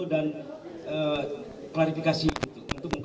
dan klarifikasi itu